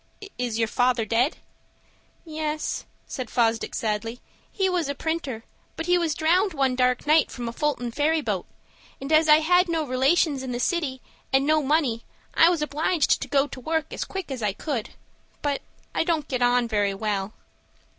Is your father dead?" "Yes," said Fosdick, sadly. "He was a printer; but he was drowned one dark night from a Fulton ferry boat, and, as I had no relations in the city, and no money, I was obliged to go to work as quick as I could. But I don't get on very well."